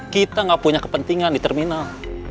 kita nggak punya kepentingan di terminal